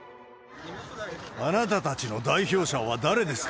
あなたたちの代表者は誰ですか？